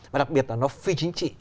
và đặc biệt là nó phi chính trị